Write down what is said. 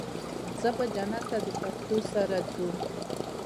زه به جنت ته د پښتو سره ځو